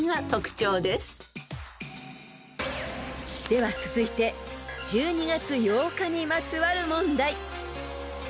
［では続いて１２月８日にまつわる問題］